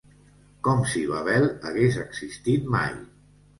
Com si Babel hagués existit mai.